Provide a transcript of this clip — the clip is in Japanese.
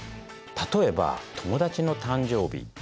例えば友達の誕生日。